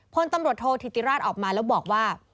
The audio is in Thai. พลตำรวจโทษธิติราชออกมาแล้วบอกว่า